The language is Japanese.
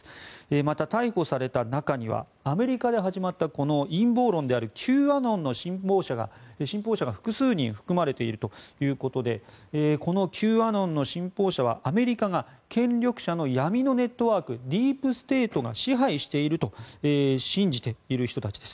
また、逮捕された中にはアメリカで始まった陰謀論であるＱアノンの信奉者が複数人含まれているということでこのＱアノンの信奉者はアメリカが権力者の闇のネットワークディープ・ステートが支配していると信じている人たちです。